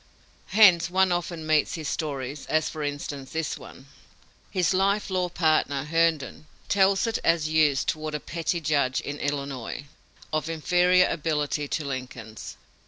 Hence one often meets his stories, as, for instance, this one. His life law partner, Herndon, tells it as used toward a petty judge, in Illinois, of inferior ability to Lincoln's.